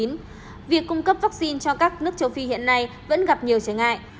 nước châu phi hiện nay vẫn gặp nhiều trở ngại